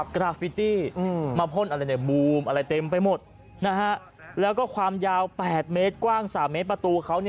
กราฟิตี้มาพ่นอะไรในบูมอะไรเต็มไปหมดแล้วก็ความยาว๘เมตรกว้าง๓เมตรประตูเขา